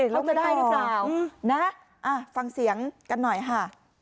เขาจะได้หรือเปล่านะฟังเสียงกันหน่อยค่ะ